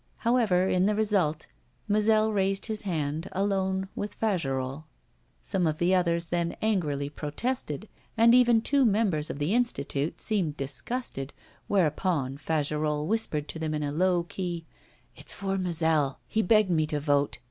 However, in the result, Mazel raised his hand, alone, with Fagerolles. Some of the others then angrily protested, and even two members of the Institute seemed disgusted, whereupon Fagerolles whispered to them in a low key: 'It's for Mazel! He begged me to vote.